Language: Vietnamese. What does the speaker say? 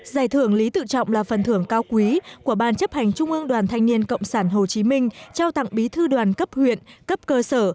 giải thưởng lý tự trọng là phần thưởng cao quý của ban chấp hành trung ương đoàn thanh niên cộng sản hồ chí minh trao tặng bí thư đoàn cấp huyện cấp cơ sở